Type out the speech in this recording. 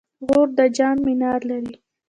غور د جام منار لري